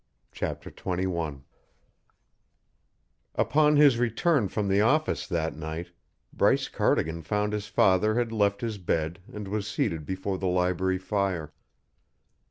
CHAPTER XXI Upon his return from the office that night, Bryce Cardigan found his father had left his bed and was seated before the library fire.